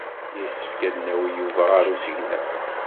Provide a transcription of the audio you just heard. Yessefk ad nawi Yuba ɣer usegnaf.